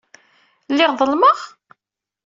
Lliɣ ḍelmeɣ?